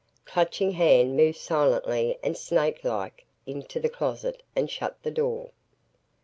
Clutching Hand moved silently and snake like into the closet and shut the door.